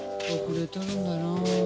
遅れとるんだな。